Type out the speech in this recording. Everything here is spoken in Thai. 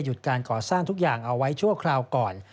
การก่อสร้างทุกอย่างเอาไว้ชั่วคราวก่อน